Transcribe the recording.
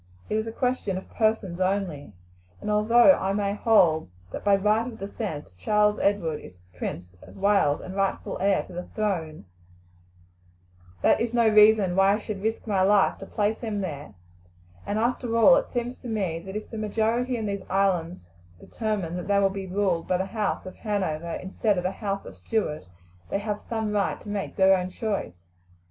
It is a question of persons only, and although I may hold that by right of descent Charles Edward is Prince of Wales and rightful heir to the throne of England, that is no reason why I should risk my life to place him there; and after all it seems to me that if the majority in these islands determine that they will be ruled by the house of Hanover instead of the house of Stuart they have some right to make their own choice."